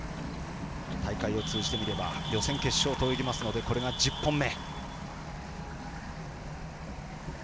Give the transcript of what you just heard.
大会を通じてみれば予選、決勝と泳ぎますのでこれが１０本目。